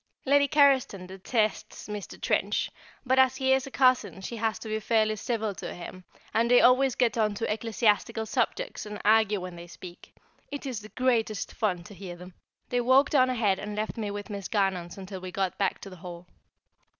Lady Carriston detests Mr. Trench, but as he is a cousin she has to be fairly civil to him, and they always get on to ecclesiastical subjects and argue when they speak; it is the greatest fun to hear them. They walked on ahead and left me with Miss Garnons until we got back to the hall.